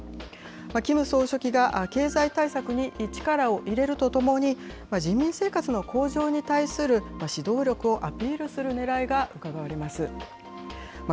キム総書記が経済対策に力を入れるとともに、人民生活の向上に対する指導力をアピールするねらいがうかがわれます。